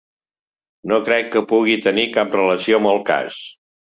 No crec que pugui tenir cap relació amb el cas.